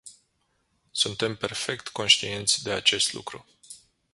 Suntem perfect conștienți de acest lucru.